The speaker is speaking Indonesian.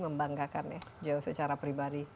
membanggakan ya joe secara pribadi